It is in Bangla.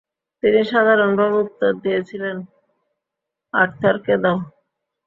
তিনি সাধারণভাবে উত্তর দিয়েছিলেন, ‘আর্থারকে দাও’।